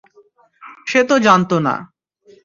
সে তো জানতো না।